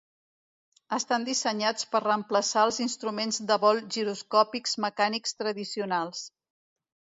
Estan dissenyats per reemplaçar els instruments de vol giroscòpics mecànics tradicionals.